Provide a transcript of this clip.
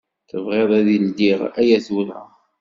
Tebɣiḍ ad ldiɣ aya tura?